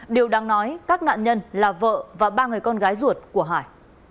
điều đáng nói các nạn nhân là vợ và ba người con gái ruột của hải